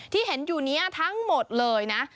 ที่เห็นอยู่นี้ทั้งหมดเลยนะ